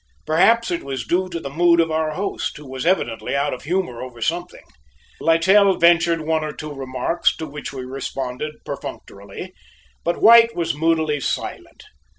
Perhaps it was due to the mood of our host, who was evidently out of humor over something. Littell ventured one or two remarks to which we responded perfunctorily, but White was moodily silent.